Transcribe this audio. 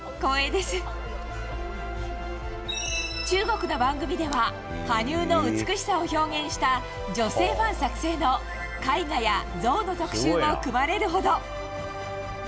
中国の番組では羽生の美しさを表現した女性ファン作成の絵画や像の特集も組まれるほど。